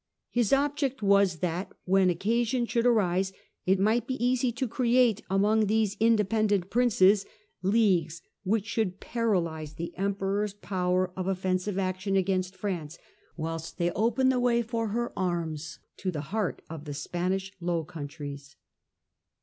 His object was that when occasion should arise it might be easy to create, among these independent Princes, leagues which should paralyse the Emperor's power of offensive action against France, whilst they opened the way for her arms to the heart of the Spanish Low Countries.